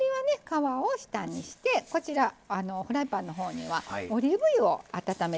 皮を下にしてこちらフライパンのほうにはオリーブ油を温めてます